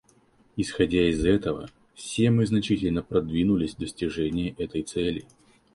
Исходя из этого, все мы значительно продвинулись в достижении этой цели.